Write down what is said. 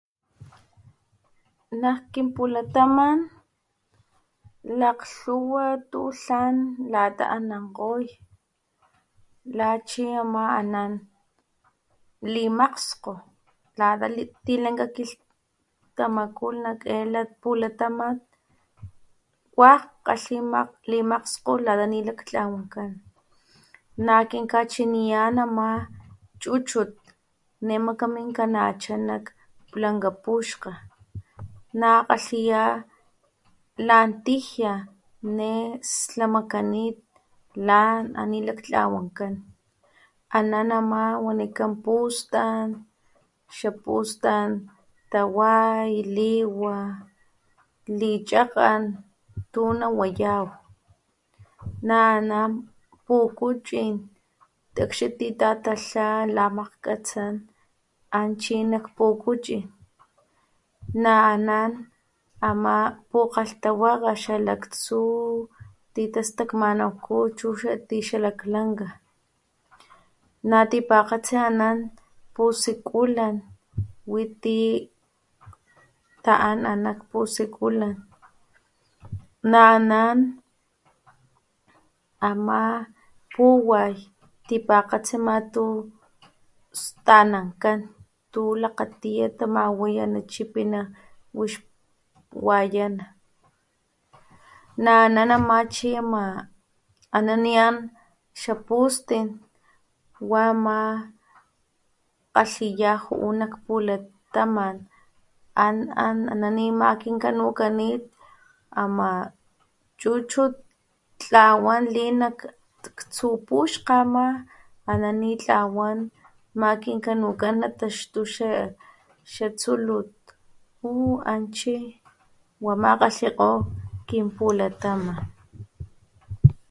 Nak kinpulataman lakglhuwa tu tlan lata anankgoy la chi ama anan limakgskgo lata tilanka kilhtamaku nak jae pulataman wakg kgalhi ama limakgskgo lata nilaktlawakan nakinkachiyan ama chuchut ne makaminkanacha lanka puxkga nakgalhiya lan tijia neslamakanit lan ana nilaktlawakan ana ama wanikan pustan xapustan taway liwa, lichakgan tu nawayaw, na anan pukuchin akxni ti tatatla la makgtsatsan an chi nak pukuchin na anan ama pukgalhtawakga xalaktsu, titastakmananku chu tixalaklanka na ti pakgatsi anan pusikulan witi taan ana nak pusikulan, na anan ama puway tipakagtsi ama tu stananakan tu lakgatiya tamawaya chipina wix wayana na anan ama chi ana ni an xapustin wa ama kgalhiya juu nak pulataman an an ana nima makinkanukanit ama chuchut tlawan lin nak tsupuxkga ama ana nitlawan makinkanukan ana nitaxtu xatsulut uuu an chi wa ama kgalhikgo kinpulataman.